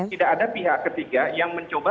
jadi ada pihak ketiga yang mencoba